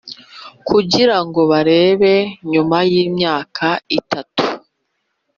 kugira ngo barebe nyuma y’imyaka itatu